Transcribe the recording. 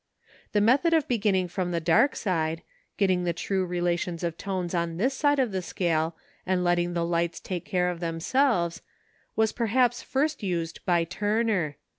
The method of beginning from the dark side, getting the true relations of tones on this side of the scale, and letting the lights take care of themselves, was perhaps first used by Turner.